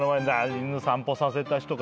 犬散歩させた人か。